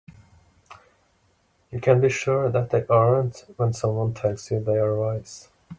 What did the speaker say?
You can be sure that they aren't when someone tells you they are wise.